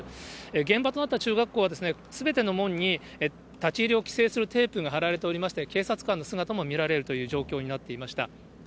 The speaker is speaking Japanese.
現場となった中学校は、すべての門に立ち入りを規制するテープが張られておりまして、警察官の姿も見られるという状況になっていました。